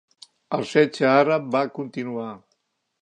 El setge àrab va continuar.